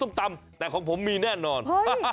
กับมีแน่นอน